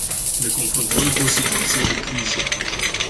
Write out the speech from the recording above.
Ne confruntăm cu o situație de criză.